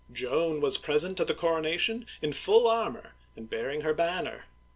Joan was present at the coronation, in full armor, and bearing her banner.